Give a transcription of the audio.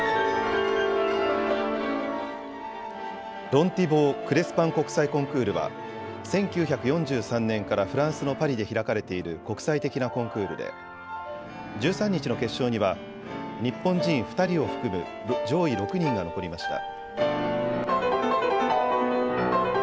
ロン・ティボー・クレスパン国際コンクールは１９４３年からフランスのパリで開かれている国際的なコンクールで１３日の決勝には日本人２人を含む上位６人が残りました。